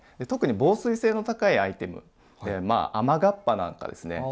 特に防水性の高いアイテムまあ雨がっぱなんかですね